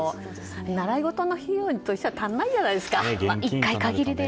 習い事の費用としては足りないんじゃないですか？